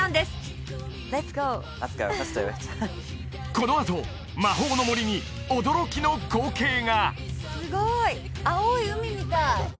このあと魔法の森に驚きの光景が！